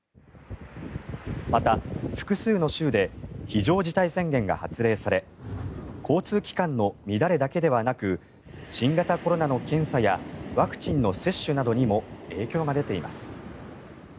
また、複数の州で非常事態宣言が発令され交通機関の乱れだけではなく新型コロナの検査やワクチンの接種などにも影響が出ています。